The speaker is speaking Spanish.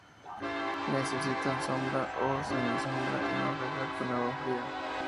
Necesitan sombra o semisombra y no regar con agua fría.